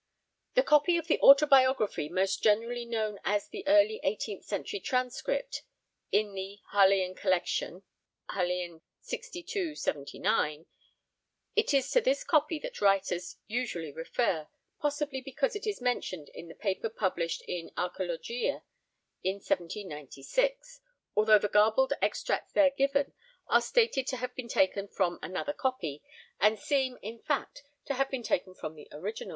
The copy of the autobiography most generally known is the early eighteenth century transcript in the Harleian Collection (Harl. 6279). It is to this copy that writers usually refer, possibly because it is mentioned in the paper published in Archæologia in 1796, although the garbled extracts there given are stated to have been taken 'from another copy' and seem, in fact, to have been taken from the original.